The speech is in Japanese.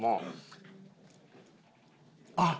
あっ。